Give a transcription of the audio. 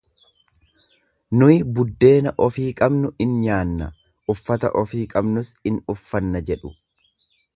Nuyi buddeena ofii qabnu in nyaanna, uffata ofii qabnus in uffanna jedhu.